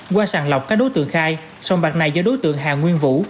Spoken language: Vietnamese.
qua sàn lọc các đối tượng khai xong bạc này do đối tượng hà nguyên vũ